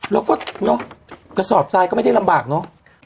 แล้วก็เนอะกระสอบทรายก็ไม่ได้ลำบากเนอะ